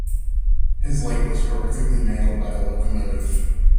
His leg was horrifically mangled by the locomotive.